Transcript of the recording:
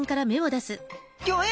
ギョエ！